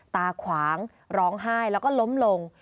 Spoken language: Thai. ตาขวางร้องไห้แล้วก็ล้มลง